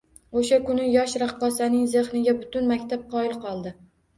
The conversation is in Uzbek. O`sha kuni yosh raqqosaning zehniga butun maktab qoyil qoldi